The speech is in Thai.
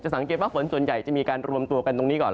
สังเกตว่าฝนส่วนใหญ่จะมีการรวมตัวกันตรงนี้ก่อน